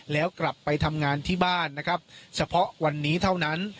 แล้วกลับไปทำงานที่บ้านนะครับเฉพาะวันนี้เท่านั้น